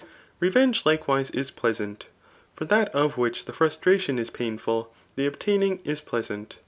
Revenge likewise is pleassQt. For that of which the frustration b painful, the obtaining is pleasant.